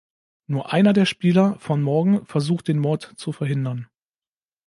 Nur einer der Spieler, Van Morgan, versucht den Mord zu verhindern.